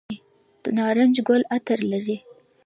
د نارنج ګل عطر لري؟